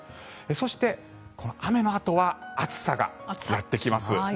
そして、この雨のあとは暑さがやってきます。